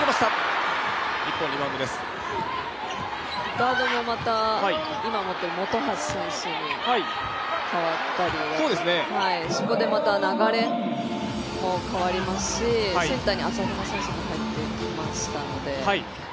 ガードが今だと本橋選手に代わったりそこで、また流れも変わりますしセンターに朝比奈選手も入ってきましたので。